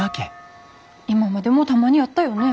今までもたまにあったよね。